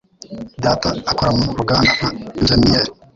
Data akora mu ruganda nka injeniyeri.